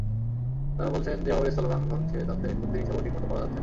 তাঁরা বলছেন, যেভাবে স্থলভাগ ভাঙছে, তাতে ক্ষতির হিসাবও ঠিকমতো করা যাচ্ছে না।